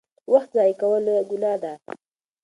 وخت ضایع کول لویه ګناه ده.